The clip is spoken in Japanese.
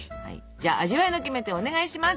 じゃあ味わいのキメテお願いします！